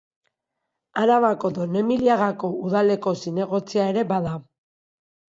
Arabako Donemiliagako udaleko zinegotzia ere bada.